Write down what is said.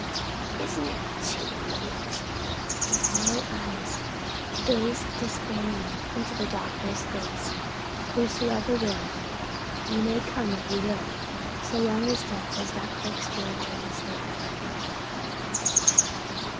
'" "Isn't it too late?" The hollow eyes gazed despairingly into the doctor's face. "'Whosoever will': you may come if you will; so long as death has not fixed your eternal state."